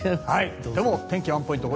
でも天気ワンポイント